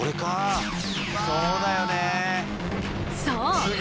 そう！